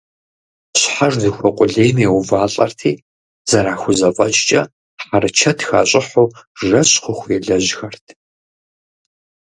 Щхьэж зыхуэкъулейм еувалӀэрти, зэрахузэфӀэкӀкӀэ, хьэрычэт хащӀыхьу, жэщ хъуху елэжьхэрт.